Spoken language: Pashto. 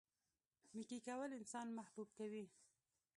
نیکي کول انسان محبوب کوي.